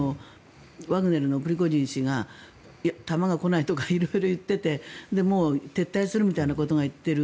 ワグネルのプリゴジン氏が弾が来ないとか色々言っててもう撤退するみたいなことを言っている。